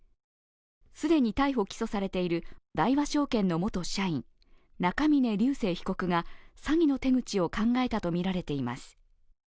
既に逮捕・起訴されている大和証券の元社員、中峯被告が詐欺の手口を教えたということです。